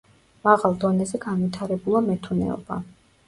მაღალ დონეზე განვითარებულა მეთუნეობა.